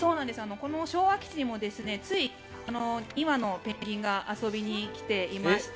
この昭和基地にもつい今、ペンギンが遊びに来ていました。